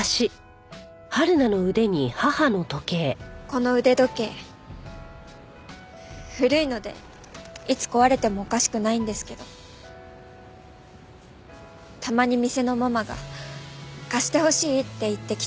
この腕時計古いのでいつ壊れてもおかしくないんですけどたまに店のママが貸してほしいって言ってきて。